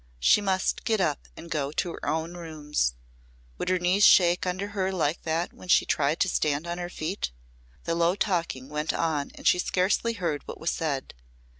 She must get up and go to her own rooms. Would her knees shake under her like that when she tried to stand on her feet? The low talking went on and she scarcely heard what was said.